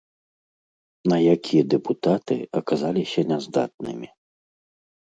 На які дэпутаты аказаліся няздатнымі.